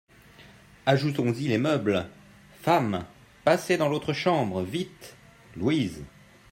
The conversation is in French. Ajoutons-y les meubles ! Femmes, passez dans l'autre chambre, vite ! LOUISE.